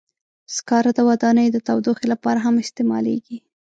سکاره د ودانیو د تودوخې لپاره هم استعمالېږي.